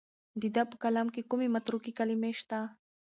د ده په کلام کې کومې متروکې کلمې شته؟